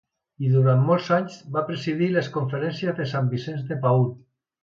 I durant molts anys va presidir les Conferències de Sant Vicenç de Paül.